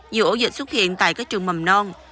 nhiều ổ dịch xuất hiện tại các trường mầm non